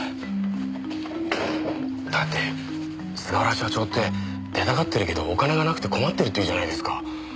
だって菅原社長って出たがってるけどお金がなくて困ってるっていうじゃないですか。